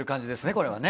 これはね。